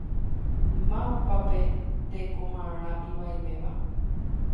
Mávapa pe tekomarã ivaivéva?